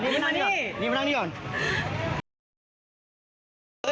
นี่มานั่งนี่ก่อนนี่มานั่งนี่ก่อนนี่มานั่งนี่ก่อน